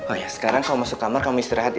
oh ya sekarang kamu masuk kamar kamu istirahat ya